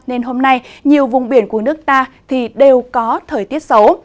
nên hôm nay nhiều vùng biển của nước ta thì đều có thời tiết xấu